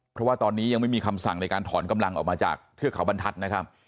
เพราะว่าตอนนี้ยังไม่มีคำสั่งในการถอนกำลังออกมาจากเทือกเขาบรรทัศน์นะครับ